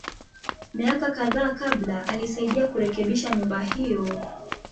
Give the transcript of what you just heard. Miaka kadhaa kabla, alisaidia kurekebisha nyumba hiyo.